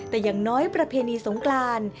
แต่อย่างน้อยประเพณีสงกราน